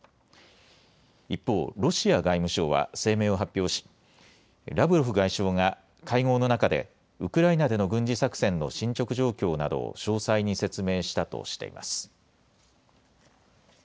一方、ロシア外務省は声明を発表しラブロフ外相が会合の中でウクライナでの軍事作戦の進捗状況などを詳細に説明したとしています。